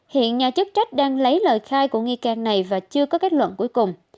hiện nhà chức trách đang lấy lời khai của nghi can này và chưa có kết luận cuối cùng